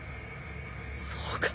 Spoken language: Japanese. そうか！